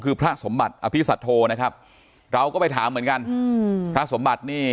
คือพระสมบัติอภิสัตโธนะครับเราก็ไปถามเหมือนกันอืมพระสมบัตินี่